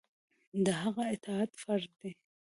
د هغه اطاعت فرض دی.